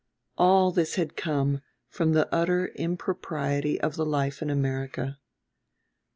All this had come from the utter impropriety of the life in America.